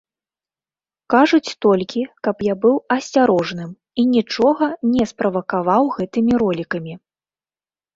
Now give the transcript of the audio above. Кажуць толькі, каб я быў асцярожным і нічога не справакаваў гэтымі ролікамі.